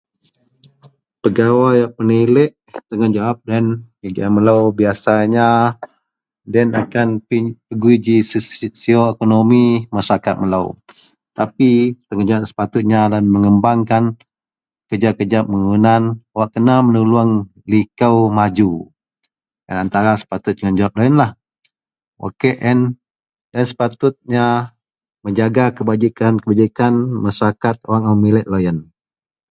pegawai wak penilek tanggungjawab loyien giaan melou biasanya deloyien akan pe pegui ji si sio ekonomi Masyarakat melou tapi tanggungjawab wak sepatutnya loyien mengembangkan kerja-kerja Pembangunan wak kena menulung liko maju antara sepatutnya tanggungjawab loyienlah, wak kek ien loyien sepatutnya menjaga Kebajikan-kebajikan Masyarakat wak ngak memilek loyien